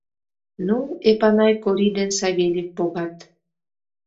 Ну, Эпанай Кори ден Савельев погат.